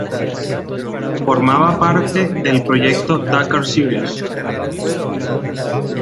Formaba parte del proyecto Dakar Series.